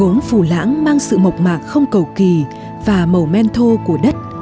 gốn phủ lãng mang sự mộc mạc không cầu kỳ và màu men thô của đất